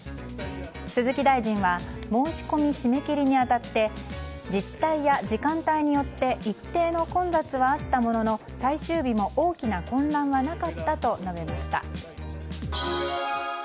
鈴木大臣は申し込み締め切りに当たって自治体や時間帯によって一定の混雑はあったものの最終日も大きな混乱はなかったと述べました。